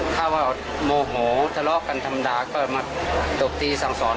ถ้าว่าโมโหทะเลาะกันธรรมดาก็มาตบตีสั่งสอน